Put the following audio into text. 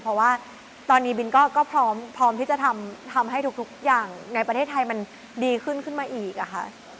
เพราะว่าตอนนี้บินก็พร้อมที่จะทำให้ทุกอย่างในประเทศไทยมันดีขึ้นขึ้นมาอีกอะค่ะ